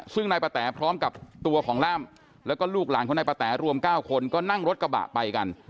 ซึ่งนายปะแต๋พร้อมกับตัวของล่ามแล้วก็ลูกหลานของนายปะแตรวม๙คนก็นั่งรถกระบะไปกัน